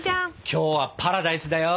今日はパラダイスだよ！